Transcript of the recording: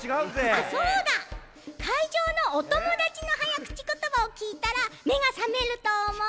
あっそうだ！かいじょうのおともだちのはやくちことばをきいたらめがさめるとおもう。